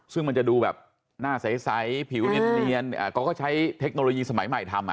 ซึ่งมันจะดูแบบหน้าใสผิวเนียนเขาก็ใช้เทคโนโลยีสมัยใหม่ทำ